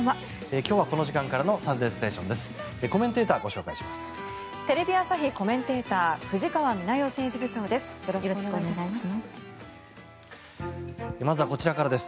今日はこの時間からの「サンデーステーション」です。